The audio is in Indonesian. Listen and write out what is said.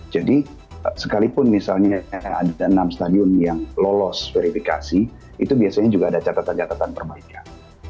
jadi sekalipun misalnya ada enam stadion yang lolos verifikasi itu biasanya juga ada catatan catatan perbaikan